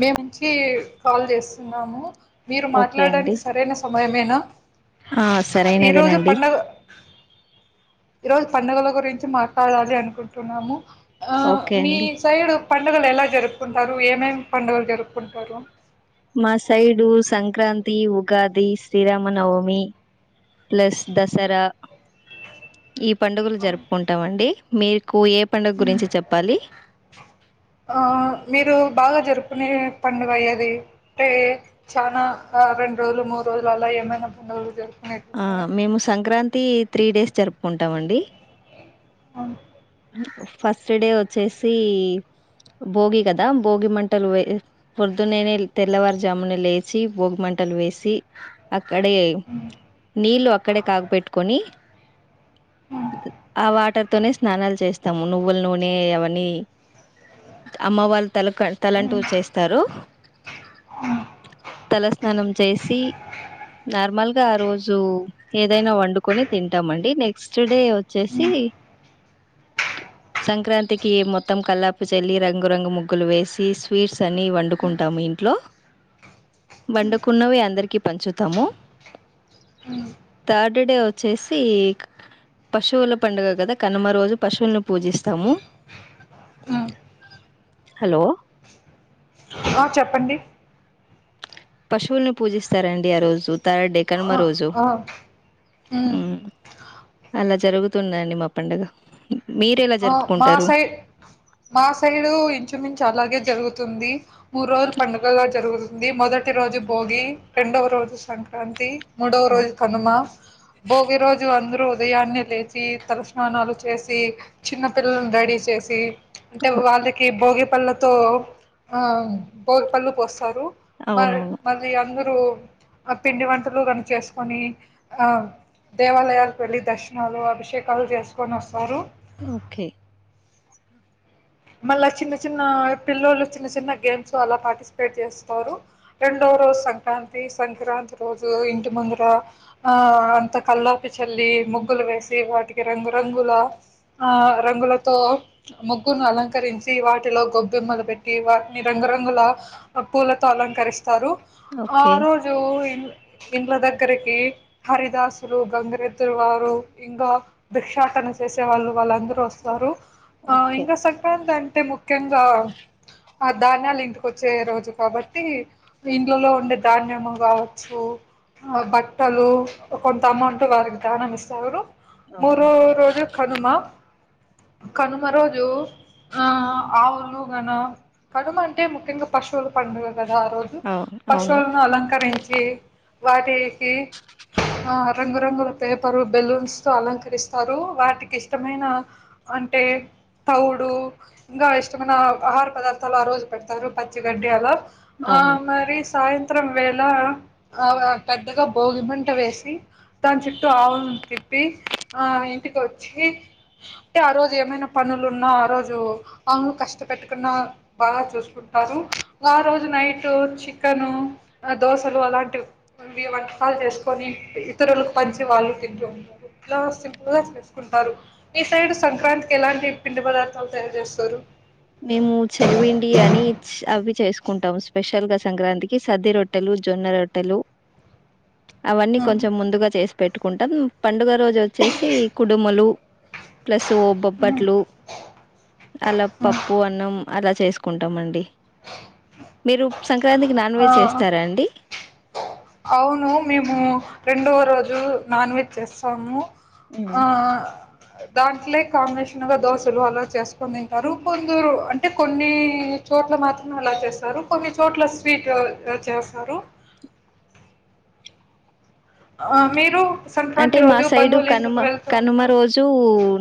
మేముంచి call చేస్తున్నాము. మీరు okay అండి మాట్లాడడానికి సరైన సమయమేనా ఆ ఈరోజు సరైనదేనండి పండుగ ఈ రోజు పండుగల గురించి మాట్లాడాలి అనుకుంటున్నాము. ఆ ఓకే మీ అండి సైడు పండుగలు ఎలా జరుపుకుంటారు. ఏమేం పండుగలు జరుపుకుంటారు. మా సైడు సంక్రాంతి ఉగాది శ్రీరామ నవమి ప్లస్ దసరా ఈ పండుగలు జరుపుకుంటాం. అండి మీ కు ఏ పండుగ గురించి చెప్పాలి. ఆ మీరు బాగా జరుపుకునే పండుగ ఏది అంటే చాలా రెండు రోజులు మూడు రో జలు ఆలా ఏమన్న పండుగలు జ మేము సంక్రాంతి త్రీ డేస్ జరుపుకుంటాం. అండి అవును ఫస్ట్ డే వోచ్చేసి భోగి కదా భోగి మంటలు వే పొద్దునే లే తెల్లవారుజామున లేచి భోగి మం టలు వేసి అక్కడే నీళ్ళు అక్కడే కాగ పెట్టుకొని ఆ వాటర్ తోనే స్నానాలు చేస్తాము నువ్వుల నునే అవన్నీ అమ్మ వాళ్ళు తల తలంటూ చేస్తారు. తలస్నానం చేసి నార్మల్గా ఆ రోజు ఏదైనా వండుకొని తింటామండి నెక్స్ట్ డే వ చ్చేసి సంక్రాంతికి మొత్తం కల్లాపు చల్లి రంగురంగులు ముగ్గులు వేసి స్వీట్స్ అని వండుకుం కుంటాము ఇంట్లో వండుకున్నవే అందరికి పంచుతాము. ఉమ్, థర్డ్డే వచ్చేసి పశువుల పండుగ కదా కనుమ రోజు పశువులను పూజిస్తాము. ఉమ్. హలో ఆ చెప్పండి పశువుల్ని పూజిస్తారండి. ఆ రోజు థర్డే కనుమ ఆ రోజు ఆ హ్ ఉమ్ అలా జరుగుతుందండి. మా పండుగ మీరు ఎలా ఆ మా జరుపుకుంటారు సైడ్ మా సైడు ఇంచుమించు అలాగే జరుగుతుంది. మూడు రోజులు పండుగలుగా జరుగుతుంది. మొదటి రోజు భోగి రెండవ రోజు సంక్రాంతి మూడవ రోజు కనుమా భోగి రోజు అందరూ ఉదయాన్నే లేచి తలస్నానాలు చేసి చిన్న పిల్లలను రెడీ చేసి అంటే వాళ్ళకి భోగిపళ్ళతో ఆ భోగిపళ్ళు పోస్తారు మరి అవునవును మరి అందరూ ఆ పిండి వంటలు కను చేసుకొని ఆ దేవాలయాలకు వెళ్ళి దర్శనాలు అభిషేకాలు చేసుకొని వస్తారు ఓకే మళ్ళా చిన్న చిన్న పిల్లలు చిన్న చిన్న గేమ్స్ అలా పార్టిసిపేట్ చేస్తారు రెండో ఒక రోజు సంక్రాంతి సంక్రాంతి రోజు ఇంటి ముందర ఆ అంత కల్లాపి చెల్లి ముగ్గులు వేసి వాటి రంగుంగుల రంగులతో ముగు అలంకరించి వాటిలో గొబ్బెమ్మలు పెట్టి వాటిని రంగురంగుల పూలతో అలంకరిస్త తరు ఆ ఆ ఓకే రోజు ఇండ్ల దగ్గరికి హరిదాసులు గంగరెద్దురు వారు ఇంకా దిక్షా తన చేసే వాళ్ళు వాళ్ళందరూ వస్తారు ఆ ఓకే ఇంకా సంక్రాంతి అంటే ముఖ్యంగా ఆ ధాన్యాలు ఇంటికొచ్చే రోజు కాబట్టి ఇంట్లలో ఉండే ధాన్యము కావచ్చు ఆ బట్టలు కొంత అమౌంట్ వారికి దధ్యానం ఇస్తారు అవును మూరో రోజు కనుమ కనుమ రోజు ఆ ఆవులు న కనుమ అంటే ముఖ్యంగా పశువులు పండుగ కదా ఆ రోజు అవును అవును పశువులను అలంకరించి వాటికి ఆ రంగురంగుల పేపరు బెలూన్స్ తో అలంకరిస్తారు వాటికి ఇష్టమైన అంటే తౌడూ ఇంకా ఇష్టమైన ఆహార పదార్థాలు ఆ రోజు పెడతారు పచ్చి గడి అలా ఆ అవును మరి సాయంత్రం మారం వేళ ఆ పెద్దగా భోగిమంట వేసి దాని చుట్టూ ఆవులు తి చెప్పి ఆ ఇంటికి వచ్చి అంటే ఆ రోజు ఏమైనా పనులున్నా ఆ రోజు కట్టుకు బా చూకు ఆ రజు నై చ ను దోసలు అలాంటి మీ వంటకాలు చేసుకొని ఇతరులకు పంచి వాళ్ళు తింటూ ఉంటారు ఇలా సింపుల్ గా చేసుకుంటారు ఈ సైడ్ సంక్రాంతి ఎలాంటి పిండి పదార్ తయారు చేస్తారు మేము చెలపిండి అని అవి చేసుకు కుంటాం స్పెషల్ గా సంక్రాంతికి సది రొట్టెలు జొన్న రొట్టెలు అవన్నీ కొంచెం ముందుగా చేసి పెట్టుకుంటాం పండుగ రోజు వచ్చేసి కుడుమలు ప్లస్ బొబ్బట్లు అలా ప ప అన్నం అలా చేసుకుంటాండి మీరు సంక్రాంతికి నాన్ వెజ్ ఆ చేస్తారా అండి అవును మేము రెండో రోజు నాన్ వెజ్ చేస్తాము ఉమ్ ఆ దాంట్లే కాంబినేషన్ గా దోశలు అలా చేసుకని తింటారు కొందూరు అంటే కొన్ని కొన్ని చోట్ల మాత్రం అలా చేస్తారు కొన్ని చోట్ల స్వీట్ చేస్తారు ఆ మీరు అంటే సంక్రాంతి మా రోజు సైడు బంధువులు కనుమ ఇంటికి కనుమ వెళ్తారు రోజు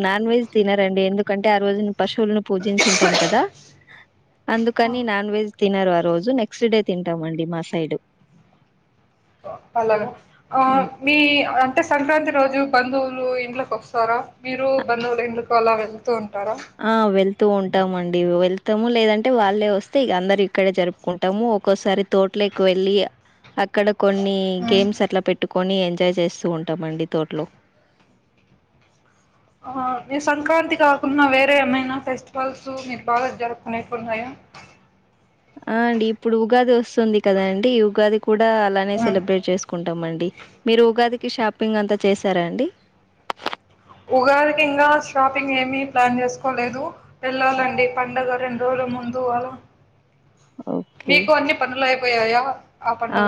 నాన్ వెజ్ తినరండి ఎందుకంటే ఆ రోజు పశువులను పూజించింటాం కదా అందుకని నాన్ వెజ్ తినరు ఆ రోజు నెక్స్ట్ డే తింటామండి మా సైడ్ అలాగ మీ అంటే సంక్రాంతి రోజు బంధువులు ఇడ్లకు వస్తారా మీరు బంధువుల ఇంకి అలా వెళ్తూ ఉంటారా ఆ వెళ్తూ ఉంటాము అండి వెళ్త తాము లేదంటే వాళ్ళే వస్తే ఇ అందరు ఇక్కడే జరుపుకుంటాము ఒక్కోసారి తోటలోకి వెళ్ళి అక్కడ కొన్ని ఉమ్. గేమ్స్ అట్లా పెట్టు కొని ఎంజాయ్ చేస్తూ ఉంటామండి తోటలో ఆ మీ సంక్రాంతి కాకున్న వేరే ఏమైనా ఫెస్టివల్స్ మీరు బాగా జరుపుకునేటివి ఉన్నాయా [inaudible] ఆ అండి ఇప్పుడు ఉగాది వస్తుంది కదా అండి ఉగాది కూడా అలానే సెలబ్రేట్ చేసుకుంటాం అండి మీరు ఉగాది కి షాపింగ్ అంతా చేశారా అండి ఉగాదికి ఇంగా షాపింగ్ ఏమి ప్లాన్ చేసుకోలేదు ఓ వెళ్ళాలండి పండుగ రెండూ రోజుల ముందు అలా ఓకే మీకు అన్ని పనులు అయిపోయాయా ఆ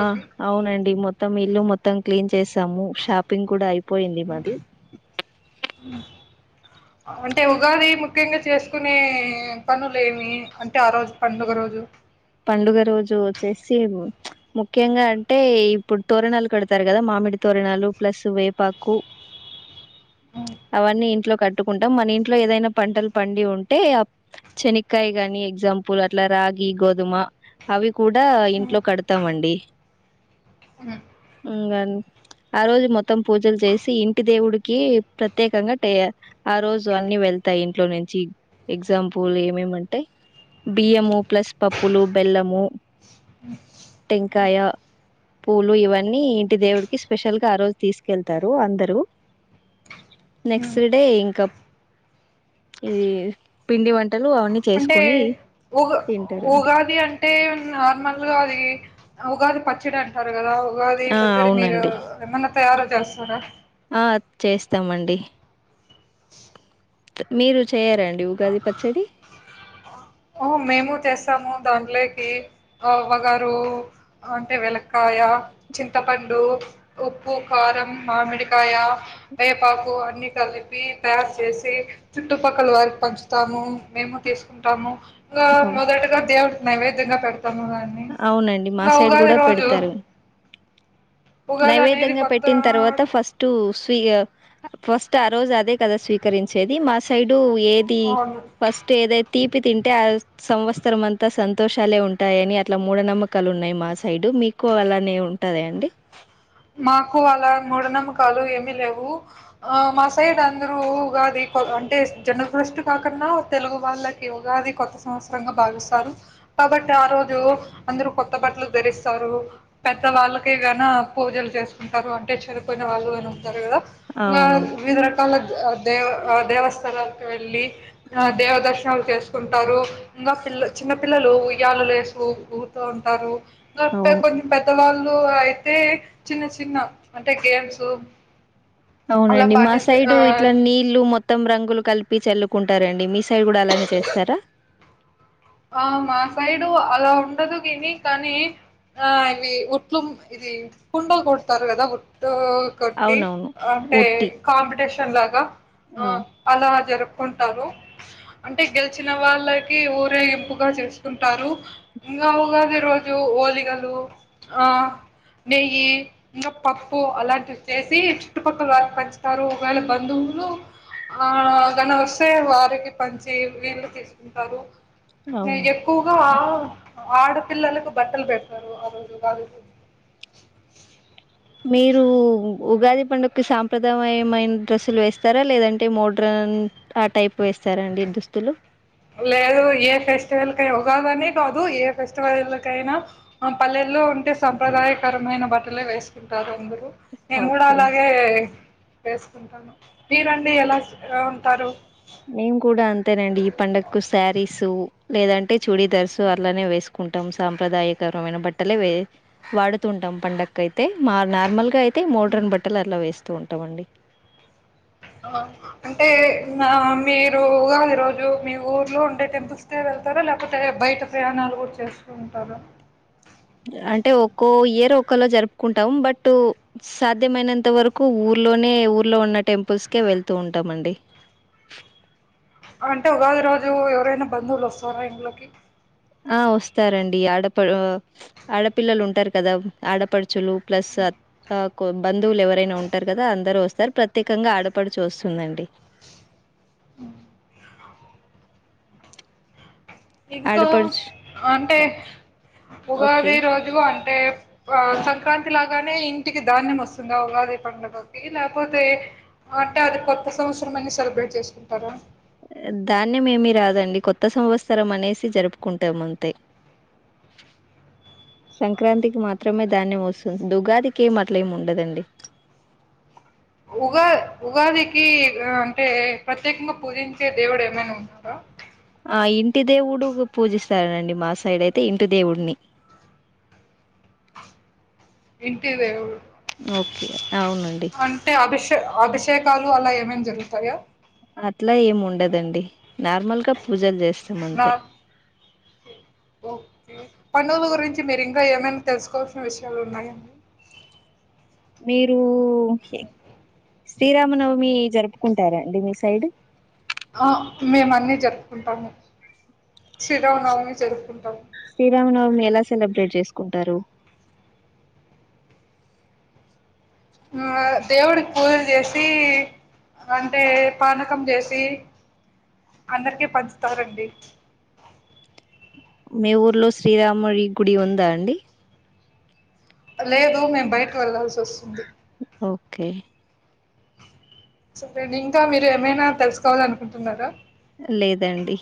అవునండి మొత్తం ఇల్లు మొత్తం క్లీన్ చేసాము షాపింగ్ కూడా అయిపో పోయింది మాది [inaudible] అంటే ఉగాది ముఖ్యంగా చేసుకునే పనులు ఏమి అంటే ఆరోజు పండుగ రోజు పండుగ రోజు వచ్చేసి ప్చ్ ముఖ్యంగా అంటే ఇప్పుడు తోరణాలు కడతారు కదా మా మామిడి తోరనాలు ప్లస్సు వేపాకు [inaudible] ఉ అవన్నీ ఇంట్లో కట్టుకుంటం మన ఇంట్లో ఏదైనా పంటలు పండి ఉంటే అప్ చనిక్కాయ కాని ఎగ్జాంపుల్ అట్లా రాగి గోధుమ అవి కూడా ఉ ఇంట్లో కడతామండి ఉ హ్మ్మ్ ఇంగ ఆ రోజు మొత్తం పూజలు చేసి ఇంటి దేవుడికి ప్రత్యేకంగా టె ఆ రోజు అన్ని వెళ్ తాయ్ ఇంట్లో నుంచి ఎగ్జాంపుల్ ఏమేమంటే బియ్యము ప్లస్ పప్పులు బెల్లము టెంకాయ పూలు ఇవన్నీ ఇంటి దేవుడికి స్పెషల్ గా ఆరోజు తీసుకెళ్తారు అందరూ ఉ నెక్స్ట్ డే ఇంకా ఈ పిండి వంట లు అవన్నీ అంటే చేసుకుని ఉగా తింట ఉగాది అంటే నార్మల్‌గా అది ఉగాది పచ్చడి అంటారు కదా ఉగాది ఆ పచ్చడి మీరు అవునండి ఏమన్నా తయారు చేస్తారా ఆ చేస్తామండి మీరు చేయారా అండి డి ఉగాది పచ్చడి ఓ మేము చేస్తాము దాంట్లోకి ఆ వగరు అంటే వెలక్కాయ్ యా చింతపండు ఉప్పు కారం మామిడికాయ వేపాకు అన్నీ కలిపి తయారు చేసి చుట్టుపక్కల వారికి పంచుతాము మేము తీసుకుంటాము ఇంకా అవు మొదటిగా దేవుడికి నైవేద్యంగా పెడుతం అవునండి మా సైడ్ కూడా రోజు పెడుతారు ఉగాది అనేది నైవేద్యంగా కొత్త పెట్టిన తర్వాత ఫస్టు ఇగ ఫస్ట్ ఆ రోజు అదే కదా స్వీకరించేది మా సైడు ఏది అవును ఫస్ట్ ఏదై తీపి తింటే ఆ సంవత్సరంమంతా సంతోషాలే ఉంటాయని ఇట్లా మూఢ నమ్మకాలు ఉన్నాయి మా సైడ్ మీకు అలానే ఉంటద అండి మాకు అలా మూఢ నమ్మకాలు ఏమి లేవు ఆ మా సైడ్ అందరు ఉగాది అంటే జనవరి ఫస్ట్ కాకన్నా తెలుగు వాళ్ళకి ఉగాది కొత్త సంవత్సరంగా భావిస్తారు కాబట్టి ఆ రోజు అందరు కొత్త బట్టలు ధరిస్తారు పెద్ద వాళ్ళకే గనా పూజలు చేసుకుంటారు అంటే చనిపోయిన వాళ్ళు అని ఉంటరు కదా ఇంకా అవును వివిధ రకాల దేవ దేవస్థలాలకు వెళ్ళి ఆ దేవ దర్శనాలు చేసుకుంటారు ఇంకా చిన్న పిల్లలు ఉయ్యాలలు లేసు ఊగుతూ ఉంటారు అవును కొన్ని పెద్దవాళ్ళు అయితే చిన్న చిన్న అంటే గేమ్స్ అలా అవునండి మా పార్టిసిపే సైడు ఇట్లా నీళ్లు మొత్తం రంగులు కలిపి చల్లుకుంటారండి మీ సైడ్ కూడా అలానే చేస్తారా ఆ మా సైడు అలా ఉండదు విని కానీ ఆ అవి ఉట్లు ఇది కుండ కొడతారు కదా ఉట్టు కొట్టి అవునవును అంటే ఉట్టి కాంపిటీషన్ లాగా ఆ అలా జరుపు కుంటరు అంటే గెలిచిన వాళ్ళకి ఊరి వేగింపుగా చేసుకుంటారు ఇంకా ఉగాది రోజు హోలిగలు ఆ నెయ్యి ఇంక పప్పు అలాంటివిచ్చేసి చుట్టుపక్కల వాళ్ళకు పంచుతారు ఒకవేళ బంధువు లు ఆ గన వస్తే వారికి పంచి వీళ్లు తీసుకుంటారు న అవును ఎక్కువగా ఆడ పిల్లకి బట్టలు బడతారు ఆ రోజు ఉగాది రోజు మీరు ఉగాది పండుగకు సాంప్రదాయమైన డ్రెస్సులు వేస్తారా లేదంటే మోడ్రన్ ఆ టైప్ వేస్త రా అండి దుస్తులు లేదు ఏ ఫెస్టివల్ కై ఉగాదనే కాదు ఏ ఫెస్టివల్ కైనా మా పల్లెటూ లో ఉంటే సాంప్రదాయకరమైన బట్టలే వేసుకుంటారు అందరు నేను కూడా ఓకే అలాగే వేసుకుంటాను మీరండి ఎలా ఉంటారు మేము కూడా అంతేనండి ఈ పండగకు శారీసు లేదంటే చూడీదర్స్ అలానే వేసుకు కుంటాం సాంప్రదాయకరమైన బట్టలే వే వాడుతుంటాం పండకైతే మా నార్మల్గా అయి తే మోడ్రన్ బట్టలు అట్లా వేస్తూ ఉంటామండి అంటే నా మీరు ఉగాది రోజు మీ ఊర్లో ఉండే టెంపుల్స్ కే వెళ్తారా లేకపోతే బయట ప్రయాణాలు కూడా చేస్తూ ఉంటారు అంటే ఒక్కో ఇయర్ ఒ కళ జరుపుకుంటాం బట్ సాధ్యమైనంత వరకు ఊ ఊర్లో నే ఊర్లో ఉన్న టెంపుల్స్ కే వెళ్తూ ఉంటామండి అంటే ఉగాది రోజు ఎవరైనా బంధువులు వస్తారా ఇంట్లోకి ఆ వస్తారండి ఆడప ఆడపిల్లలు ఉంటారు కదా ఆడపడుచులు ప్లస్ సార్ ఆ బంధువులు ఎవరైనా ఉంటారు కదా అందరు వస్తారు ప్రత్యేకంగా ఆడపడుచూ వస్తుందండి [inaudible] ఇంకా ఆడపడుచు అంటే ఓ- ఓకే ఉగాది రోజు అంటే ఆ సంక్రాంతి లాగానే ఇంటికి ధాన్యం వస్తుందా ఉగాది పండుగకి లేపోతే అంటే అది కొత్త సంవత్సరం అని సెలబ్రేట్ చేసుకుంటారా ధాన్యం ఏమి రాదండి కొత్త సంవత్సరం అనేసి జరుపుకుంటాం అంతే [inaudible] సంక్రాంతికి మాత్రమే ధాన్యం వస్తుంది ఉగాదికి ఏం అట్ల ఏమి ఉండదండి [inaudible] ఉగా ఉగాదికి అంటే ప్రత్యేకంగా పూజించే దేవుడు ఏమైనా ఉంటారా ఆ ఇంటి దేవుడు పూజిస్తారండి మా సైడ్ అయితే ఇంటి దేవుడిని [inaudible] ఇంటిదేవుడు ఓకే అవునండి అంటే అభిషే అభిషే షేకాలు అలా ఏమైనా జరుగుతాయా అట్లా ఏం ఉండదండి నార్మల్గా పూజలు చేస్తాం నా అంతే ఓకే పండుగల గురించి మీరు ఇంకా ఏమైనా తెలుసుకోవాల్సిన విషయాలు ఉన్నాయా [inaudible] మీరు ఎ శ్రీరామనవమి జరుపుకుంటారాండి మీ సైడ్ ఉంటాము శ్రీరామనవమి ఎలా సెలబ్రేట్ చేస్తా టారు ఆ దేవుడికి పూజలు చేసి అంటే పానకం చేసి అందరికి పంచుతారండి మీ ఊర్లో శ్రీరాముడి గుడి ఉందా అండి లేదు మేము బయటకి వెళ్లాల్సి వస్తుంది ఓకే సరేండి ఇంకా మీరు ఏమైనా తెలుసుకోవాల అనుకుంటున్నారా లేదండి